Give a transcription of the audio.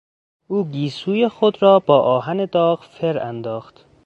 او گیسوی خود را با آهن داغ فر انداخت.